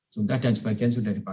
sudah dan sebagian sudah dipakai